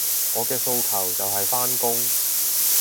我嘅訴求就係返工